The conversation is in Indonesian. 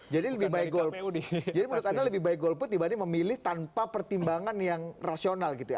jadi lebih baik golput dibanding memilih tanpa pertimbangan yang rasional gitu ya